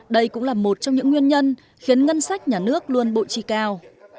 đây cũng là một trong những nguyên nhân khiến ngân sách nhà nước luôn bộ chi cao